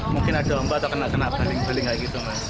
mungkin ada ombak atau kena kena paling beli